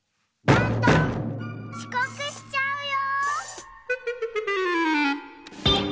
ちこくしちゃうよ！